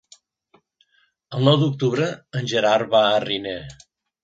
El nou d'octubre en Gerard va a Riner.